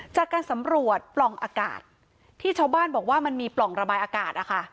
จากการสำรวจปล่องอากาศที่ชาวบ้านบอกว่ามันมีปล่องระบายอากาศนะคะ